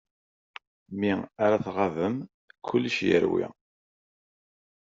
Mi ara tɣabem, kullec irewwi.